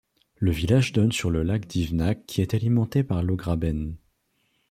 Le village donne sur le lac d'Ivenack qui est alimenté par l'Augraben.